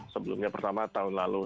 sebelumnya pertama tahun lalu